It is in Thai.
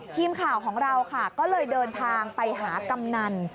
ทีมข่าวของเราค่ะก็เลยเดินทางไปหากำนัน